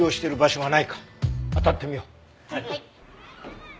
はい。